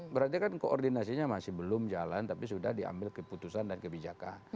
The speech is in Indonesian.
berarti kan koordinasinya masih belum jalan tapi sudah diambil keputusan dan kebijakan